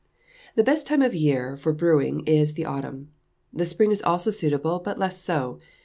The best time of the year for brewing is the autumn. The spring is also suitable, but less so.